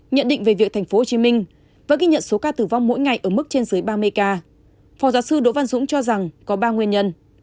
nhận định về việc tp hcm với ghi nhận số ca tử vong mỗi ngày ở mức trên dưới ba mươi ca phó giáo sư đỗ văn dũng cho rằng có ba nguyên nhân